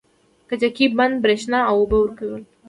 کجکي بند بریښنا او اوبه ورکوي